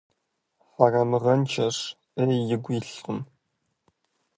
Хьэрэмыгъэншэщ, Ӏей игу илъкъым.